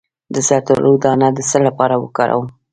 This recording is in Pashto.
د زردالو دانه د څه لپاره وکاروم؟